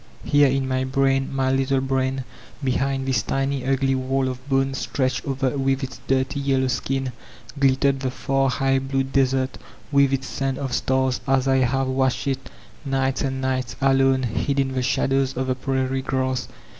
Here in my brain, my little brain, behind this tiny ugly wall of bone stretched over with its dirty yellow skin, glittered the far high blue desert with its sand of stars, as I have watched it, nights and nights, alone, hid in the shadows of the prairie grass.